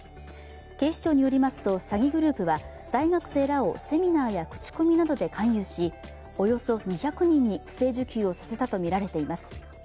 警視庁によりますと、詐欺グループは大学生らをセミナーや口コミなどで勧誘しおよそ２００人に不正受給をさせたとみられています。